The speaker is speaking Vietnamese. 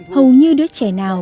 hầu như đứa trẻ nào